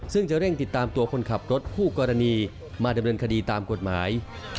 ซึ่งจะเร่งติดตามตัวคนขับรถคู่กรณีมาดำเนินคดีตามกฎหมาย